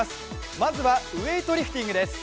まずはウエイトリフティングです。